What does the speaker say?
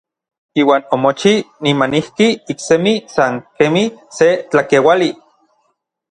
Iuan omochij nimanijki iksemi san kemij se tlakeuali.